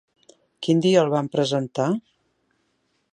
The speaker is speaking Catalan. Quin dia el van presentar?